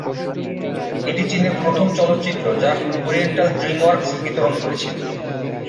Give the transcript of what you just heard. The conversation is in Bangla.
এটি চীনের প্রথম চলচ্চিত্র যা "ওরিয়েন্টাল ড্রিম ওয়ার্কস" বিতরণ করেছিল।